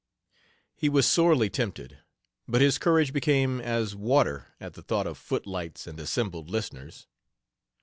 He was sorely tempted, but his courage became as water at the thought of footlights and assembled listeners.